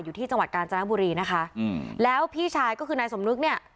อยู่ที่จังหวัดกาญจนบุรีนะคะอืมแล้วพี่ชายก็คือนายสมนึกเนี่ย